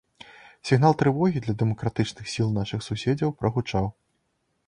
Сігнал трывогі для дэмакратычных сіл нашых суседзяў прагучаў.